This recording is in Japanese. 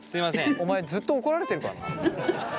お前ずっと怒られてるからな。